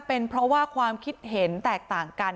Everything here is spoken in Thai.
เป็นเพราะว่าความคิดเห็นแตกต่างกัน